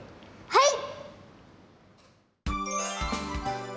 はい。